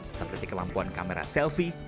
seperti kemampuan kamera selfie